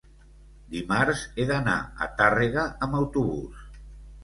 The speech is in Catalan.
dimarts he d'anar a Tàrrega amb autobús.